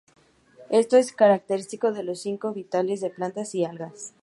Esto es característico en los ciclos vitales de plantas y algas.